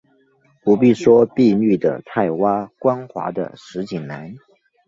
不必说碧绿的菜畦，光滑的石井栏